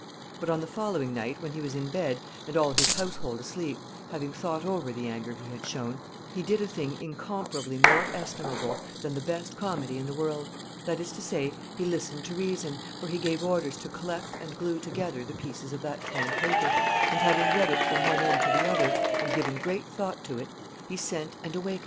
But on the following night, when he was in bed, and all his household asleep, having thought over the anger he had shown, be did a thing incomparably more estimable than the best comedy in the world, that is to say, he listened to reason, for he gave orders to collect and glue together the pieces of that torn paper, and, having read it from one end to the other, and given great thought to it, he sent and awakened M.